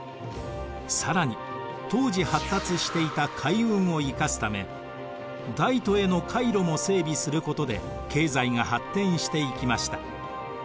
更に当時発達していた海運を生かすため大都への海路も整備することで経済が発展していきました。